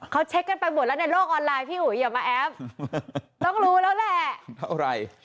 เขาเช็คกันไปหมดแล้วในโลกออนไลน์พี่อุ๋ยอย่ามาแอฟต้องรู้แล้วแหละเท่าไหร่